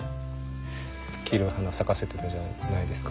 黄色い花咲かせてたじゃないですか。